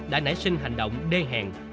đã nảy sinh hành động đê hẹn